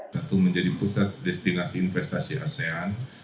satu menjadi pusat destinasi investasi asean